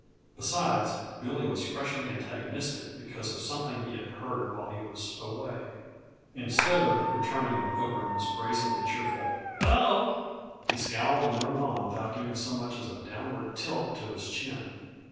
Besides, Billy was freshly antagonistic because of something he had heard while he was away; instead of returning the Pilgrim's brazenly cheerful "Hello," he scowled and rode on without so much as giving a downward tilt to his chin.